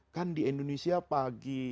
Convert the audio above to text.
kan di indonesia pagi